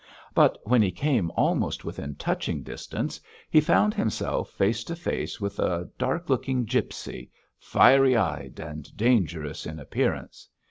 But when he came almost within touching distance, he found himself face to face with a dark looking gipsy, fiery eyed and dangerous in appearance.